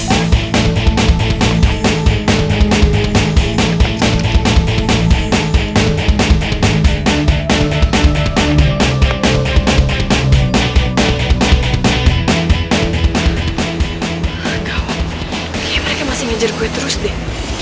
ini mereka masih ngejar gue terus deh